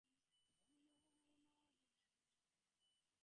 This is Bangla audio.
এ ভক্তির ডোরে যদি প্রভু স্বয়ং না বাঁধা পড়েন, তবে সবই মিথ্যা।